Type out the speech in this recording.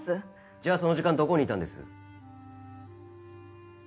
じゃあその時間どこにいたんです？